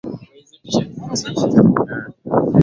kama wasaliti na kuteswa makanisa yao kubomolewa Kwa ujumla